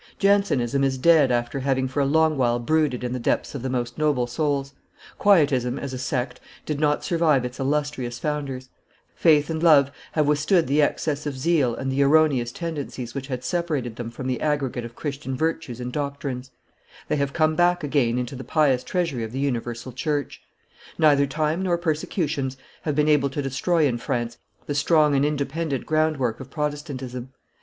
Jansenism is dead after having for a long while brooded in the depths of the most noble souls; Quietism, as a sect, did not survive its illustrious founders; faith and love have withstood the excess of zeal and the erroneous tendencies which had separated them from the aggregate of Christian virtues and doctrines; they have come back again into the pious treasury of the universal church. Neither time nor persecutions have been able to destroy in France the strong and independent groundwork of Protestantism.